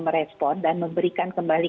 merespon dan memberikan kembali